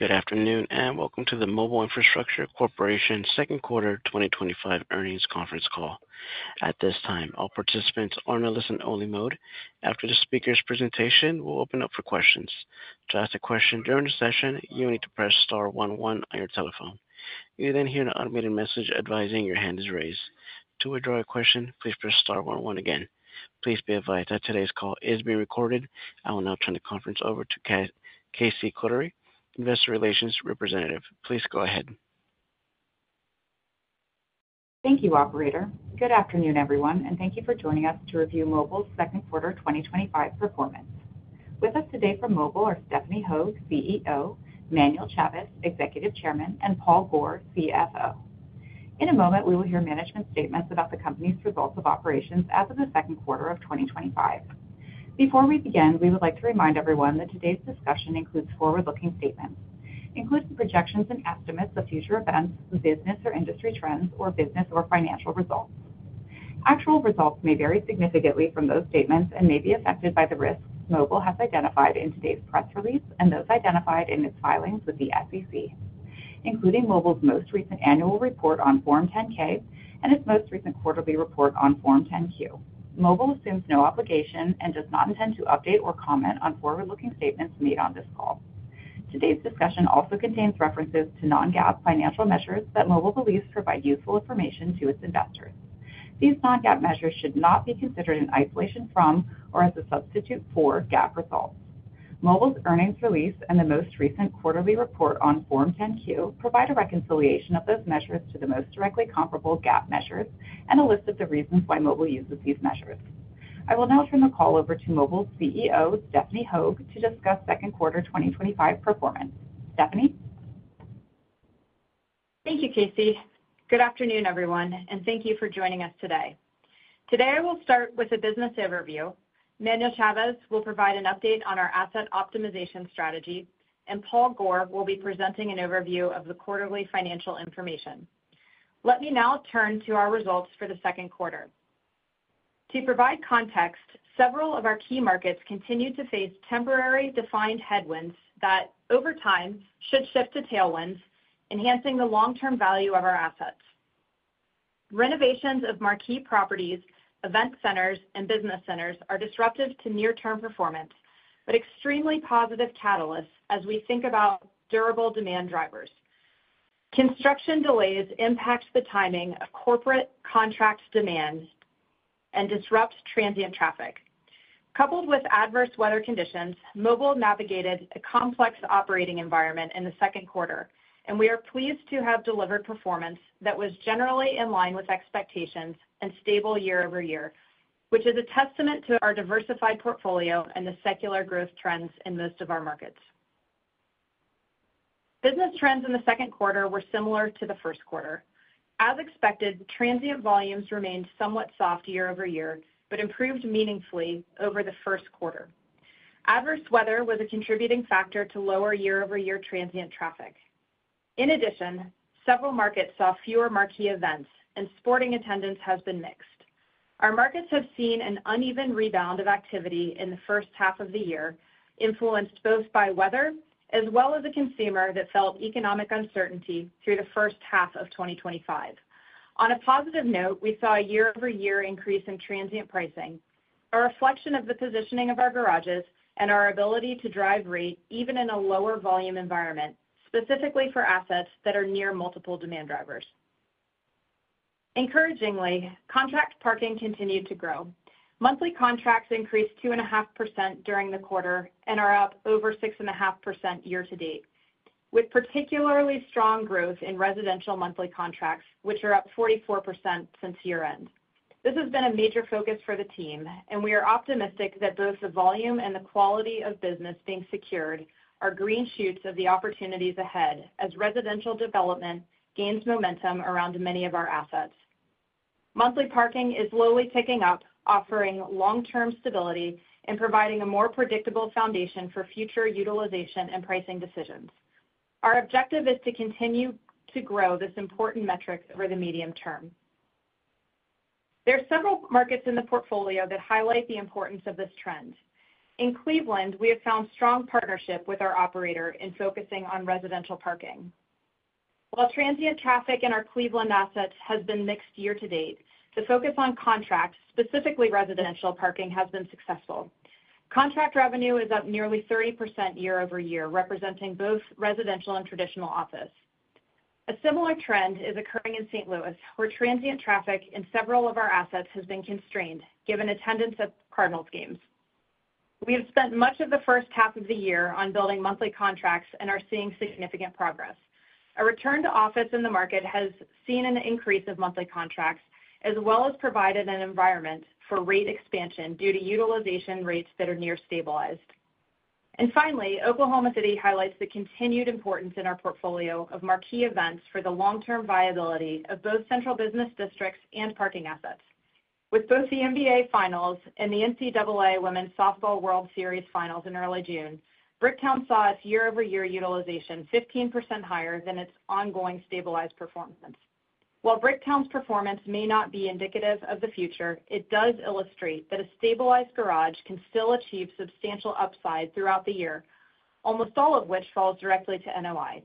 Good afternoon and welcome to the Mobile Infrastructure Corporation Second Quarter 2025 Earnings Conference Call. At this time, all participants are in a listen-only mode. After the speaker's presentation, we'll open it up for questions. To ask a question during the session, you will need to press star 11 on your telephone. You'll then hear an automated message advising your hand is raised. To withdraw a question, please press star 11 again. Please be advised that today's call is being recorded. I will now turn the conference over to Casey Kotary, Investor Relations Representative. Please go ahead. Thank you, Operator. Good afternoon, everyone, and thank you for joining us to review Mobile Infrastructure Corporation's Second Quarter 2025 performance. With us today from Mobile are Stephanie Hogue, CEO, Manuel Chavez, Executive Chairman, and Paul Gohr, CFO. In a moment, we will hear management statements about the company's results of operations as of the second quarter of 2025. Before we begin, we would like to remind everyone that today's discussion includes forward-looking statements, including projections and estimates of future events, business or industry trends, or business or financial results. Actual results may vary significantly from those statements and may be affected by the risks Mobile has identified in today's press release and those identified in its filings with the SEC, including Mobile's most recent annual report on Form 10-K and its most recent quarterly report on Form 10-Q. Mobile assumes no obligation and does not intend to update or comment on forward-looking statements made on this call. Today's discussion also contains references to non-GAAP financial measures that Mobile believes provide useful information to its investors. These non-GAAP measures should not be considered in isolation from or as a substitute for GAAP results. Mobile's earnings release and the most recent quarterly report on Form 10-Q provide a reconciliation of those measures to the most directly comparable GAAP measures and a list of the reasons why Mobile uses these measures. I will now turn the call over to Mobile's CEO, Stephanie Hogue, to discuss second quarter 2025 performance. Stephanie? Thank you, Casey. Good afternoon, everyone, and thank you for joining us today. Today, I will start with a business overview. Manuel Chavez will provide an update on our asset optimization strategy, and Paul Gohr will be presenting an overview of the quarterly financial information. Let me now turn to our results for the second quarter. To provide context, several of our key markets continue to face temporary defined headwinds that, over time, should shift to tailwinds, enhancing the long-term value of our assets. Renovations of marquee properties, event centers, and business centers are disruptive to near-term performance, but extremely positive catalysts as we think about durable demand drivers. Construction delays impact the timing of corporate contract demand and disrupt transient traffic. Coupled with adverse weather conditions, Mobile navigated a complex operating environment in the second quarter, and we are pleased to have delivered performance that was generally in line with expectations and stable year-over-year, which is a testament to our diversified portfolio and the secular growth trends in most of our markets. Business trends in the second quarter were similar to the first quarter. As expected, the transient volumes remained somewhat soft year over year, but improved meaningfully over the first quarter. Adverse weather was a contributing factor to lower year-over-year transient traffic. In addition, several markets saw fewer marquee events, and sporting attendance has been mixed. Our markets have seen an uneven rebound of activity in the first half of the year, influenced both by weather as well as a consumer that felt economic uncertainty through the first half of 2025. On a positive note, we saw a year-over-year increase in transient pricing, a reflection of the positioning of our garages and our ability to drive rate even in a lower volume environment, specifically for assets that are near multiple demand drivers. Encouragingly, contract parking continued to grow. Monthly contracts increased 2.5% during the quarter and are up over 6.5% year-to-date, with particularly strong growth in residential monthly contracts, which are up 44% since year-end. This has been a major focus for the team, and we are optimistic that both the volume and the quality of business being secured are green shoots of the opportunities ahead as residential development gains momentum around many of our assets. Monthly parking is slowly picking up, offering long-term stability and providing a more predictable foundation for future utilization and pricing decisions. Our objective is to continue to grow this important metric over the medium term. There are several markets in the portfolio that highlight the importance of this trend. In Cleveland, we have found strong partnership with our operator in focusing on residential parking. While transient traffic in our Cleveland assets has been mixed year-to-date, the focus on contract, specifically residential parking, has been successful. Contract revenue is up nearly 30% year-over-year, representing both residential and traditional office. A similar trend is occurring in St. Louis, where transient traffic in several of our assets has been constrained, given attendance at Cardinals games. We have spent much of the first half of the year on building monthly contracts and are seeing significant progress. A return to office in the market has seen an increase of monthly contracts, as well as provided an environment for rate expansion due to utilization rates that are near stabilized. Finally, Oklahoma City highlights the continued importance in our portfolio of marquee events for the long-term viability of both central business districts and parking assets. With both the NBA Finals and the NCAA Women's Softball World Series finals in early June, Bricktown saw its year-over-year utilization 15% higher than its ongoing stabilized performance. While Bricktown's performance may not be indicative of the future, it does illustrate that a stabilized garage can still achieve substantial upside throughout the year, almost all of which falls directly to NOI.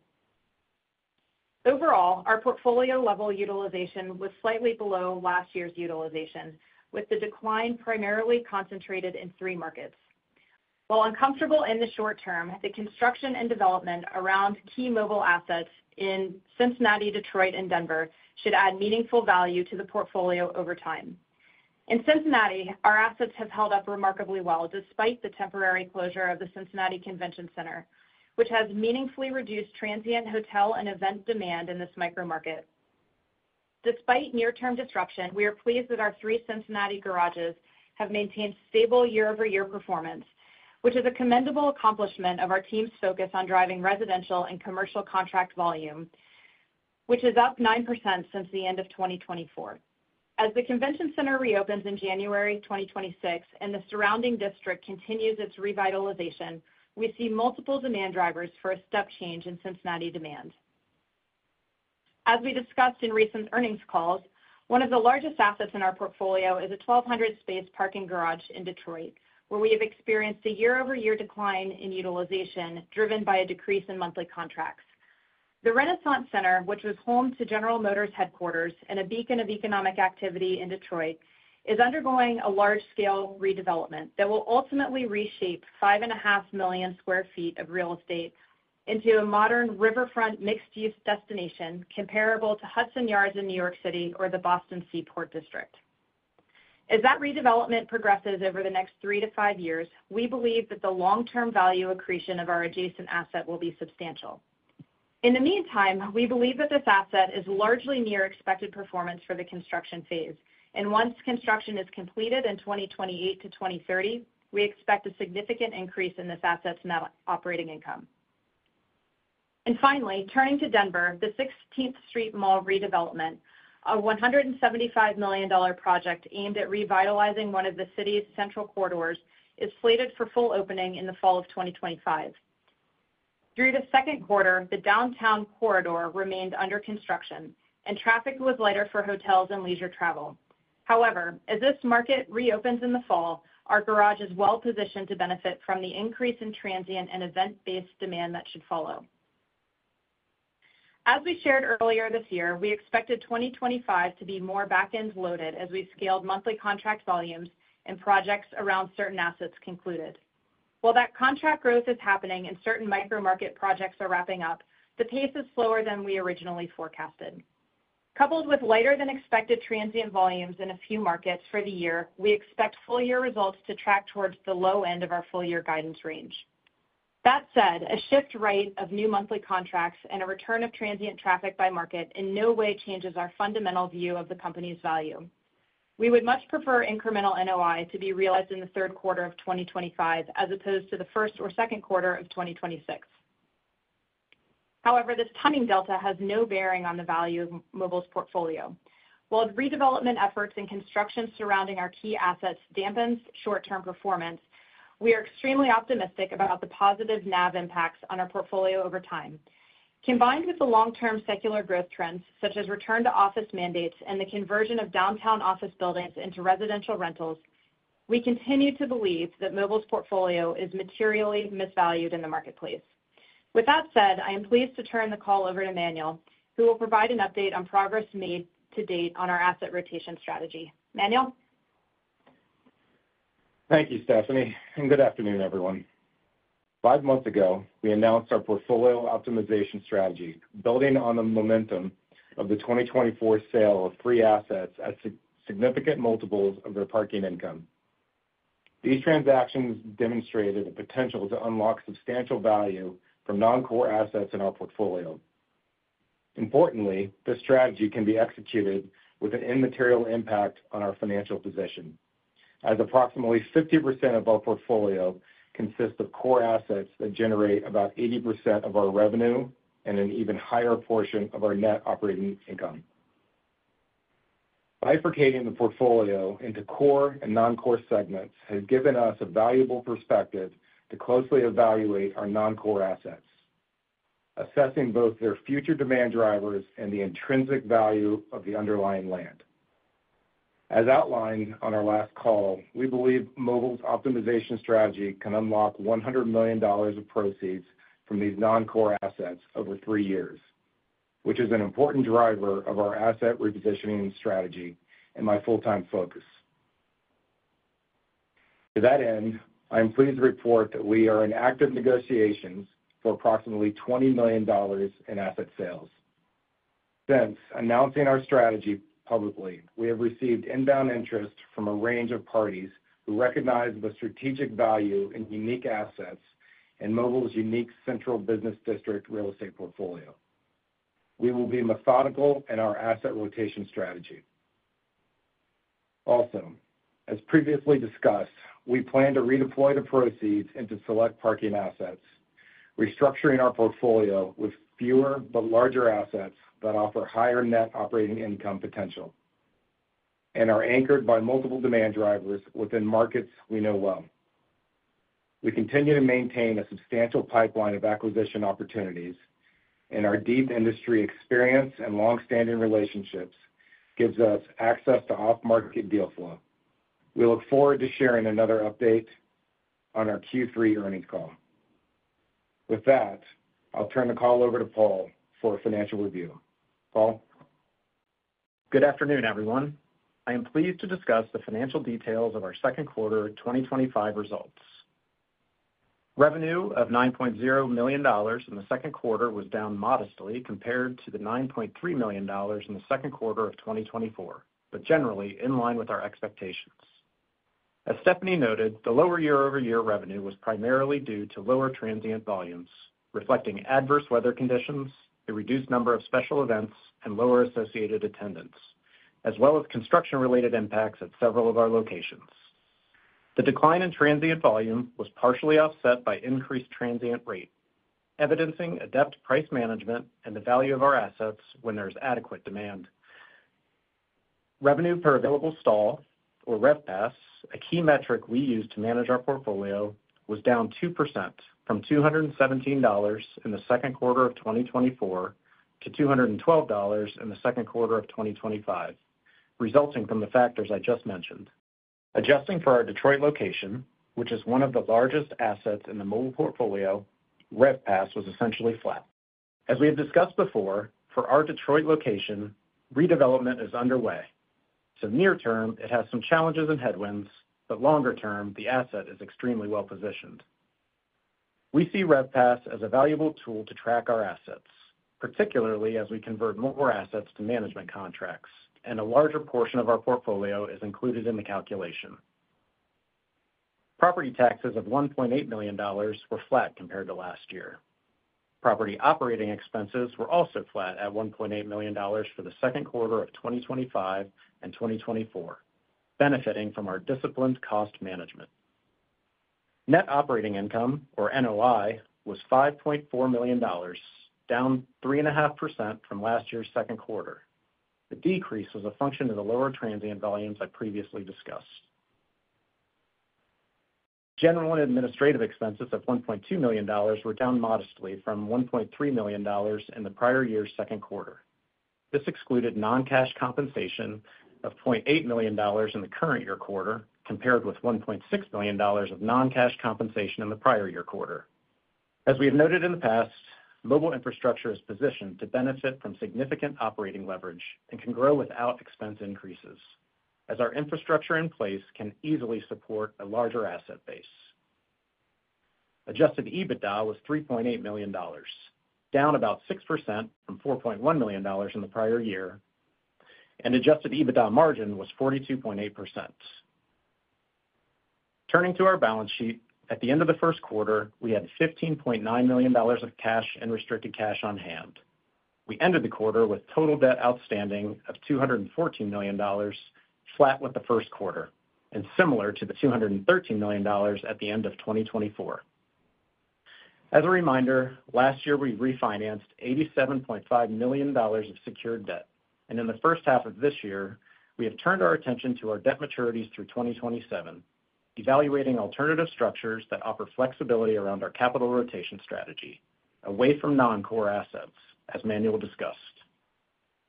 Overall, our portfolio level utilization was slightly below last year's utilization, with the decline primarily concentrated in three markets. While uncomfortable in the short-term, the construction and development around key mobile assets in Cincinnati, Detroit, and Denver should add meaningful value to the portfolio over time. In Cincinnati, our assets have held up remarkably well despite the temporary closure of the Cincinnati Convention Center, which has meaningfully reduced transient hotel and event demand in this micro market. Despite near-term disruption, we are pleased that our three Cincinnati garages have maintained stable year-over-year performance, which is a commendable accomplishment of our team's focus on driving residential and commercial contract volume, which is up 9% since the end of 2024. As the Convention Center reopens in January 2026 and the surrounding district continues its revitalization, we see multiple demand drivers for a step change in Cincinnati demand. As we discussed in recent earnings calls, one of the largest assets in our portfolio is a 1,200-space parking garage in Detroit, where we have experienced a year-over-year decline in utilization driven by a decrease in monthly contracts. The Renaissance Center, which was home to General Motors headquarters and a beacon of economic activity in Detroit, is undergoing a large-scale redevelopment that will ultimately reshape 5.5 million sq ft of real estate into a modern riverfront mixed-use destination comparable to Hudson Yards in New York City or the Boston Seaport District. As that redevelopment progresses over the next three to five years, we believe that the long-term value accretion of our adjacent asset will be substantial. In the meantime, we believe that this asset is largely near expected performance for the construction phase, and once construction is completed in 2028-2030, we expect a significant increase in this asset's net operating income. Finally, turning to Denver, the 16th Street Mall redevelopment, a $175 million project aimed at revitalizing one of the city's central corridors, is slated for full opening in the fall of 2025. During the second quarter, the downtown corridor remained under construction, and traffic was lighter for hotels and leisure travel. However, as this market reopens in the fall, our garage is well-positioned to benefit from the increase in transient and event-based demand that should follow. As we shared earlier this year, we expected 2025 to be more back-end loaded as we scaled monthly contract volumes and projects around certain assets concluded. While that contract growth is happening and certain micro market projects are wrapping up, the pace is slower than we originally forecasted. Coupled with lighter than expected transient volumes in a few markets for the year, we expect full-year results to track towards the low end of our full-year guidance range. That said, a shift right of new monthly contracts and a return of transient traffic by market in no way changes our fundamental view of the company's value. We would much prefer incremental NOI to be realized in the third quarter of 2025 as opposed to the first or second quarter of 2026. However, this tightening delta has no bearing on the value of Mobile's portfolio. While redevelopment efforts and construction surrounding our key assets dampen short-term performance, we are extremely optimistic about the positive NAV impacts on our portfolio over time. Combined with the long-term secular growth trends, such as return to office mandates and the conversion of downtown office buildings into residential rentals, we continue to believe that Mobile's portfolio is materially misvalued in the marketplace. With that said, I am pleased to turn the call over to Manuel, who will provide an update on progress made to date on our asset rotation strategy. Manuel? Thank you, Stephanie, and good afternoon, everyone. Five months ago, we announced our portfolio optimization strategy, building on the momentum of the 2024 sale of three assets at significant multiples of their parking income. These transactions demonstrated a potential to unlock substantial value from non-core assets in our portfolio. Importantly, this strategy can be executed with an immaterial impact on our financial position, as approximately 50% of our portfolio consists of core assets that generate about 80% of our revenue and an even higher portion of our net operating income. Bifurcating the portfolio into core and non-core segments has given us a valuable perspective to closely evaluate our non-core assets, assessing both their future demand drivers and the intrinsic value of the underlying land. As outlined on our last call, we believe Mobile's optimization strategy can unlock $100 million of proceeds from these non-core assets over three years, which is an important driver of our asset repositioning strategy and my full-time focus. To that end, I am pleased to report that we are in active negotiations for approximately $20 million in asset sales. Since announcing our strategy publicly, we have received inbound interest from a range of parties who recognize the strategic value in unique assets and Mobile's unique central business district real estate portfolio. We will be methodical in our asset rotation strategy. Also, as previously discussed, we plan to redeploy the proceeds into select parking assets, restructuring our portfolio with fewer but larger assets that offer higher net operating income potential and are anchored by multiple demand drivers within markets we know well. We continue to maintain a substantial pipeline of acquisition opportunities, and our deep industry experience and long-standing relationships give us access to off-market deal flow. We look forward to sharing another update on our Q3 earnings call. With that, I'll turn the call over to Paul for a financial review. Paul? Good afternoon, everyone. I am pleased to discuss the financial details of our second quarter 2025 results. Revenue of $9.0 million in the second quarter was down modestly compared to the $9.3 million in the second quarter of 2024, but generally in line with our expectations. As Stephanie noted, the lower year-over-year revenue was primarily due to lower transient volumes, reflecting adverse weather conditions, a reduced number of special events, and lower associated attendance, as well as construction-related impacts at several of our locations. The decline in transient volume was partially offset by increased transient rate, evidencing adept price management and the value of our assets when there's adequate demand. Revenue per available stall, or RevPaS, a key metric we use to manage our portfolio, was down 2% from $217 in the second quarter of 2024 to $212 in the second quarter of 2025, resulting from the factors I just mentioned. Adjusting for our Detroit location, which is one of the largest assets in the Mobile portfolio, RevPaS was essentially flat. As we have discussed before, for our Detroit location, redevelopment is underway. Near term, it has some challenges and headwinds, but longer term, the asset is extremely well positioned. We see RevPaS as a valuable tool to track our assets, particularly as we convert more assets to management contracts, and a larger portion of our portfolio is included in the calculation. Property taxes of $1.8 million were flat compared to last year. Property operating expenses were also flat at $1.8 million for the second quarter of 2025 and 2024, benefiting from our disciplined cost management. Net operating income, or NOI, was $5.4 million, down 3.5% from last year's second quarter. The decrease was a function of the lower transient volumes I previously discussed. General and administrative expenses of $1.2 million were down modestly from $1.3 million in the prior year's second quarter. This excluded non-cash compensation of $0.8 million in the current year quarter compared with $1.6 million of non-cash compensation in the prior year quarter. As we have noted in the past, Mobile Infrastructure is positioned to benefit from significant operating leverage and can grow without expense increases, as our infrastructure in place can easily support a larger asset base. Adjusted EBITDA was $3.8 million, down about 6% from $4.1 million in the prior year, and adjusted EBITDA margin was 42.8%. Turning to our balance sheet, at the end of the first quarter, we had $15.9 million of cash and restricted cash on hand. We ended the quarter with total debt outstanding of $214 million, flat with the first quarter, and similar to the $213 million at the end of 2024. As a reminder, last year we refinanced $87.5 million of secured debt, and in the first half of this year, we have turned our attention to our debt maturities through 2027, evaluating alternative structures that offer flexibility around our asset rotation strategy, away from non-core assets, as Manuel discussed.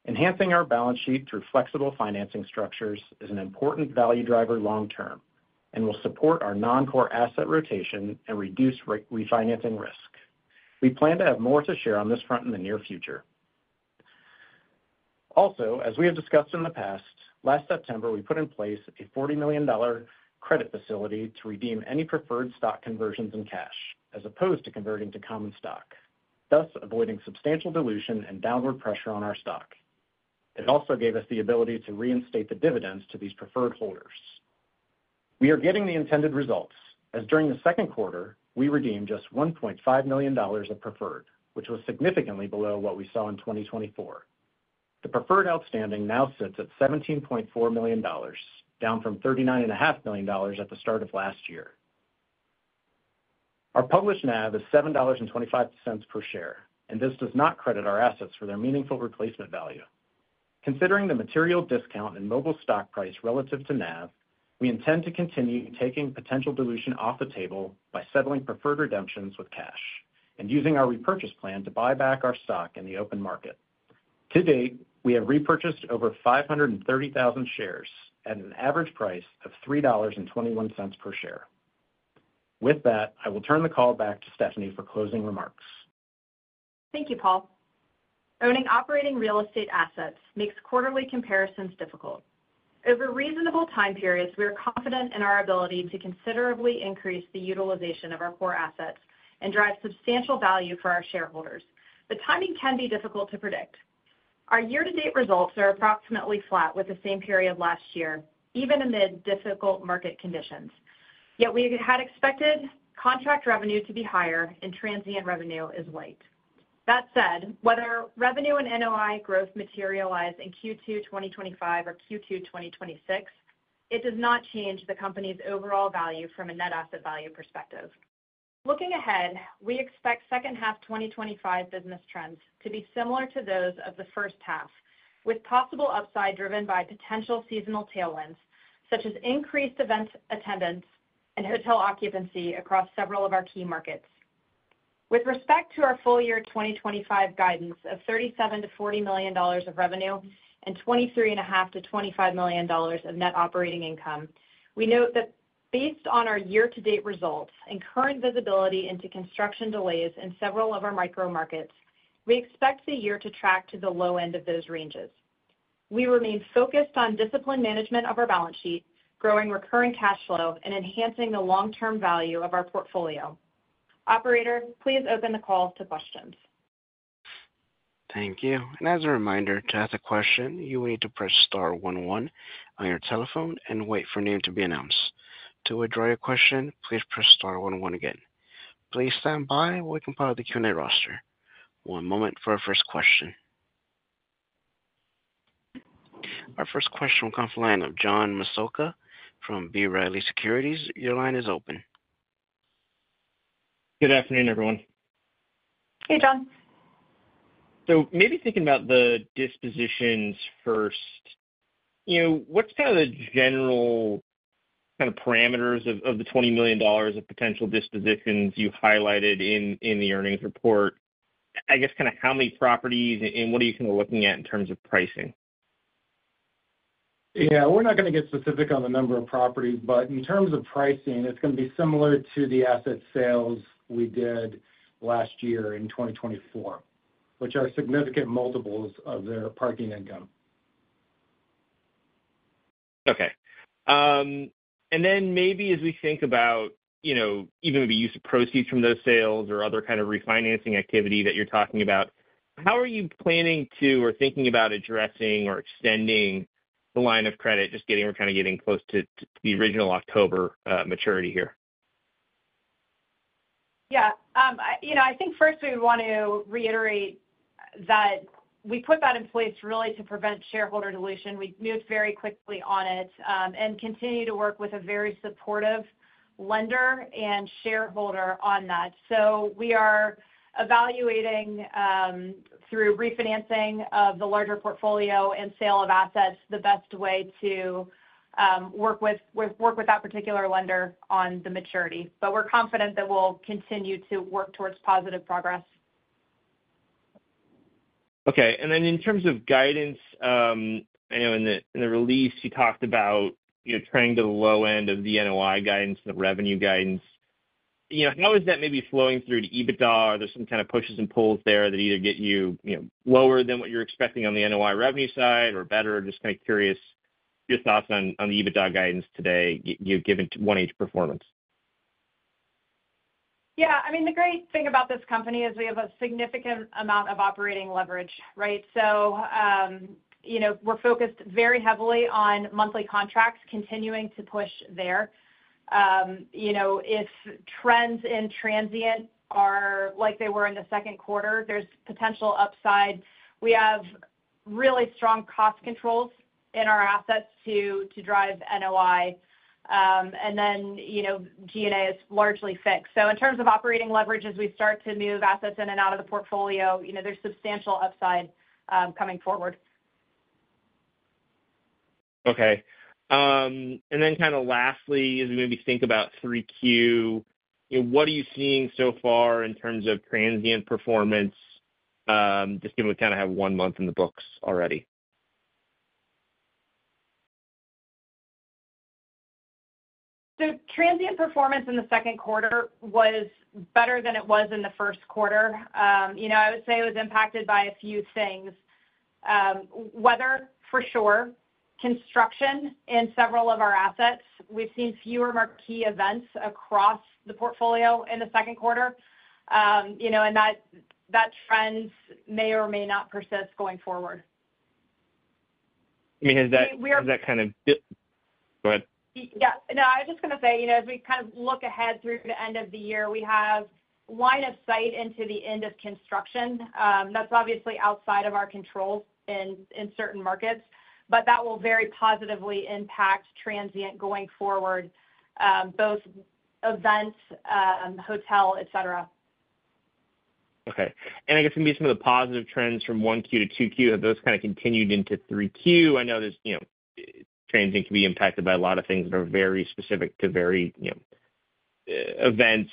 Enhancing our balance sheet through flexible financing structures is an important value driver long term and will support our non-core asset rotation and reduce refinancing risk. We plan to have more to share on this front in the near future. Also, as we have discussed in the past, last September we put in place a $40 million credit facility to redeem any preferred stock conversions in cash, as opposed to converting to common stock, thus avoiding substantial dilution and downward pressure on our stock. It also gave us the ability to reinstate the dividends to these preferred holders. We are getting the intended results, as during the second quarter we redeemed just $1.5 million of preferred, which was significantly below what we saw in 2024. The preferred outstanding now sits at $17.4 million, down from $39.5 million at the start of last year. Our published NAV is $7.25 per share, and this does not credit our assets for their meaningful replacement value. Considering the material discount in Mobile's stock price relative to NAV, we intend to continue taking potential dilution off the table by settling preferred redemptions with cash and using our repurchase plan to buy back our stock in the open market. To date, we have repurchased over 530,000 shares at an average price of $3.21 per share. With that, I will turn the call back to Stephanie for closing remarks. Thank you, Paul. Owning operating real estate assets makes quarterly comparisons difficult. Over reasonable time periods, we are confident in our ability to considerably increase the utilization of our core assets and drive substantial value for our shareholders, but timing can be difficult to predict. Our year-to-date results are approximately flat with the same period last year, even amid difficult market conditions. Yet we had expected contract revenue to be higher and transient revenue is light. That said, whether revenue and NOI growth materialize in Q2 2025 or Q2 2026, it does not change the company's overall value from a net asset value perspective. Looking ahead, we expect second half 2025 business trends to be similar to those of the first half, with possible upside driven by potential seasonal tailwinds, such as increased event attendance and hotel occupancy across several of our key markets. With respect to our full-year 2025 guidance of $37 million-$40 million of revenue and $23.5 million-$25 million of net operating income, we note that based on our year-to-date results and current visibility into construction delays in several of our micro markets, we expect the year to track to the low end of those ranges. We remain focused on discipline management of our balance sheet, growing recurring cash flow, and enhancing the long-term value of our portfolio. Operator, please open the call to questions. Thank you. As a reminder, to ask a question, you will need to press star 11 on your telephone and wait for a name to be announced. To withdraw your question, please press star 11 again. Please stand by while we compile the Q&A roster. One moment for our first question. Our first question will come from the line of John Massocca from B. Riley Securities. Your line is open. Good afternoon, everyone. Hey, John. Maybe thinking about the dispositions first, what's the general parameters of the $20 million of potential dispositions you highlighted in the earnings report? I guess how many properties and what are you looking at in terms of pricing? Yeah, we're not going to get specific on the number of properties, but in terms of pricing, it's going to be similar to the asset sales we did last year in 2024, which are significant multiples of their parking income. Okay. As we think about even maybe use of proceeds from those sales or other refinancing activity that you're talking about, how are you planning to or thinking about addressing or extending the line of credit, just getting we're getting close to the original October maturity here? Yeah. I think first we would want to reiterate that we put that in place really to prevent shareholder dilution. We moved very quickly on it and continue to work with a very supportive lender and shareholder on that. We are evaluating through refinancing of the larger portfolio and sale of assets the best way to work with that particular lender on the maturity. We're confident that we'll continue to work towards positive progress. Okay. In terms of guidance, I know in the release you talked about trying to the low end of the NOI guidance and the revenue guidance. How is that maybe flowing through to EBITDA? Are there some pushes and pulls there that either get you lower than what you're expecting on the NOI revenue side or better? Just curious on your thoughts on the EBITDA guidance today, given 1H performance. Yeah, the great thing about this company is we have a significant amount of operating leverage. We're focused very heavily on monthly contracts, continuing to push there. If trends in transient are like they were in the second quarter, there's potential upside. We have really strong cost controls in our assets to drive NOI. G&A is largely fixed. In terms of operating leverage, as we start to move assets in and out of the portfolio, there's substantial upside coming forward. Okay. Lastly, as we maybe think about 3Q, what are you seeing so far in terms of transient performance, just given we have one month in the books already? Transient performance in the second quarter was better than it was in the first quarter. It was impacted by a few things: weather, for sure, and construction in several of our assets. We've seen fewer marquee events across the portfolio in the second quarter, and that trend may or may not persist going forward. Go ahead. Yeah, I was just going to say, you know, as we kind of look ahead through the end of the year, we have line of sight into the end of construction. That's obviously outside of our control in certain markets, but that will very positively impact transient going forward, both event, hotel, etc. Okay. I guess maybe some of the positive trends from 1Q to 2Q, have those kind of continued into 3Q? I know that transient can be impacted by a lot of things that are very specific to events,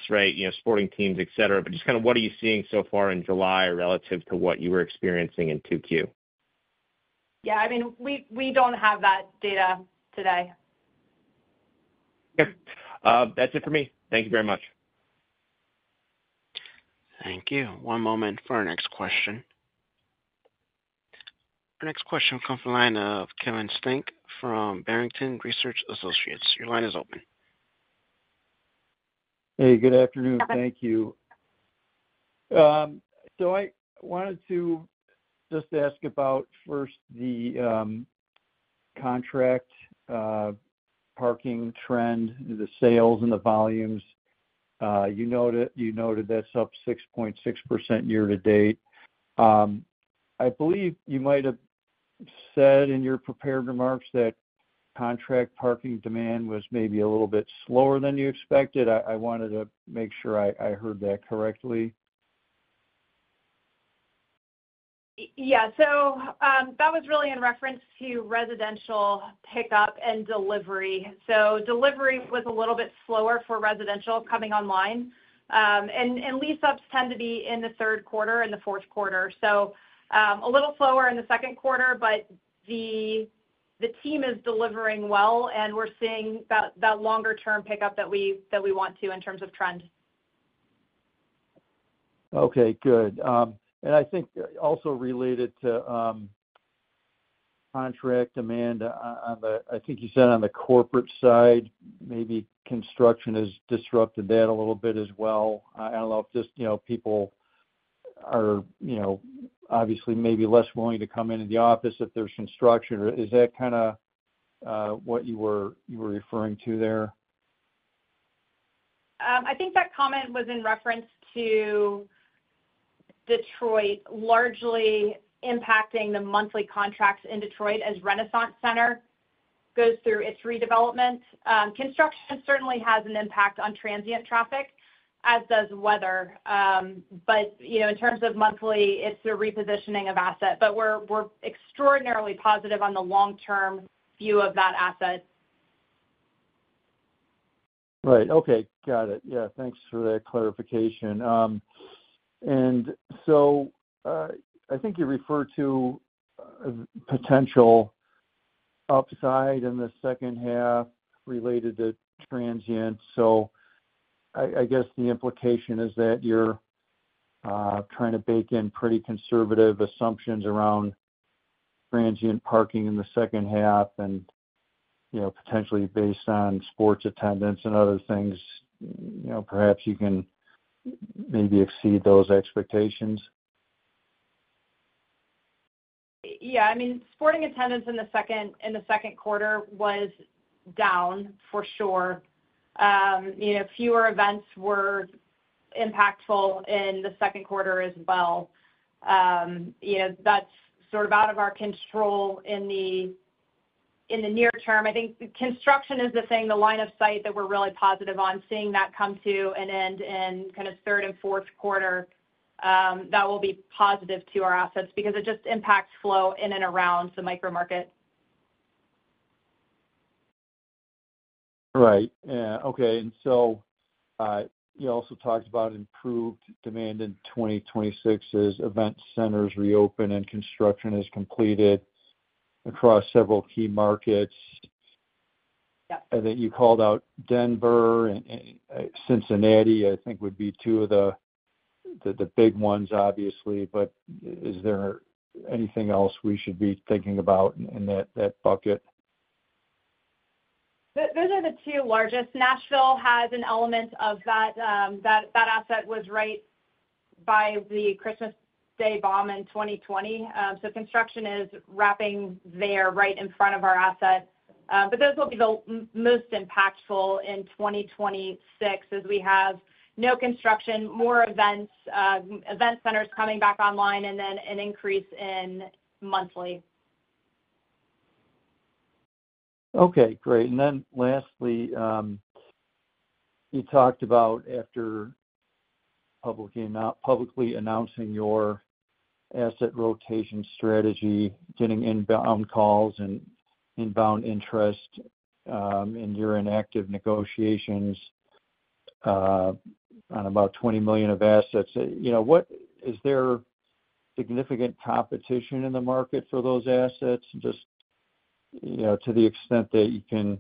sporting teams, etc. Just what are you seeing so far in July relative to what you were experiencing in 2Q? Yeah, we don't have that data today. Okay, that's it for me. Thank you very much. Thank you. One moment for our next question. Our next question will come from the line of Kevin Steinke from Barrington Research Associates. Your line is open. Good afternoon. Thank you. I wanted to just ask about the contract parking trend, the sales and the volumes. You noted that's up 6.6% year-to-date. I believe you might have said in your prepared remarks that contract parking demand was maybe a little bit slower than you expected. I wanted to make sure I heard that correctly. That was really in reference to residential pickup and delivery. Delivery was a little bit slower for residential coming online. Lease-ups tend to be in the third quarter and the fourth quarter. A little slower in the second quarter, but the team is delivering well, and we're seeing that longer-term pickup that we want to in terms of trend. Okay. Good. I think also related to contract demand, I think you said on the corporate side maybe construction has disrupted that a little bit as well. I don't know if just people are obviously maybe less willing to come into the office if there's construction. Is that what you were referring to there? I think that comment was in reference to Detroit largely impacting the monthly contracts in Detroit as Renaissance Center goes through its redevelopment. Construction certainly has an impact on transient traffic, as does weather. In terms of monthly, it's the repositioning of asset. We're extraordinarily positive on the long-term view of that asset. Right. Okay. Got it. Yeah. Thanks for that clarification. I think you referred to a potential upside in the second half related to transient. I guess the implication is that you're trying to bake in pretty conservative assumptions around transient parking in the second half, and potentially based on sports attendance and other things, perhaps you can maybe exceed those expectations. Yeah. Sporting attendance in the second quarter was down for sure. Fewer events were impactful in the second quarter as well. That's out of our control in the near term. I think construction is the thing, the line of sight that we're really positive on, seeing that come to an end in kind of third and fourth quarter. That will be positive to our assets because it just impacts flow in and around the micro market. Right. Okay. You also talked about improved demand in 2026 as event centers reopen and construction is completed across several key markets. Yep. You called out Denver and Cincinnati, I think would be two of the big ones, obviously. Is there anything else we should be thinking about in that bucket? Those are the two largest. Nashville has an element of that. That asset was right by the Christmas Day bomb in 2020. Construction is wrapping there right in front of our asset. Those will be the most impactful in 2026 as we have no construction, more events, event centers coming back online, and then an increase in monthly. Okay. Great. Lastly, you talked about after publicly announcing your asset rotation strategy, getting inbound calls and inbound interest, and you're in active negotiations on about $20 million of assets. Is there significant competition in the market for those assets? To the extent that you can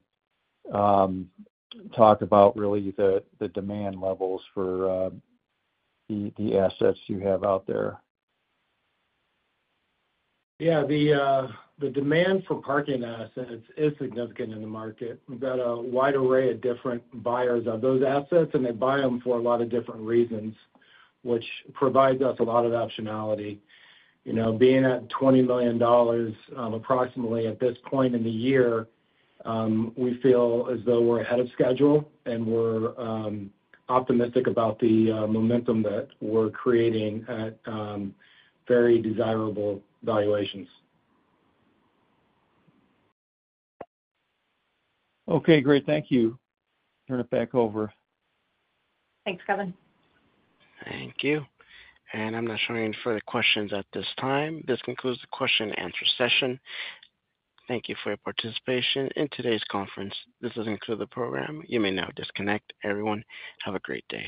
talk about, what are really the demand levels for the assets you have out there? Yeah. The demand for parking assets is significant in the market. We've got a wide array of different buyers of those assets, and they buy them for a lot of different reasons, which provides us a lot of optionality. Being at $20 million approximately at this point in the year, we feel as though we're ahead of schedule, and we're optimistic about the momentum that we're creating at very desirable valuations. Okay. Great. Thank you. Turn it back over. Thanks, Kevin. Thank you. I'm not showing any further questions at this time. This concludes the question and answer session. Thank you for your participation in today's conference. This is an exclusive program. You may now disconnect. Everyone, have a great day.